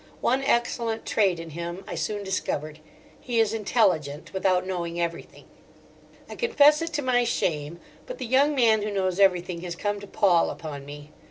One excellent trait in him I soon discovered—he is intelligent without knowing everything. I confess it to my shame, but the young man who knows everything has come to pall upon me.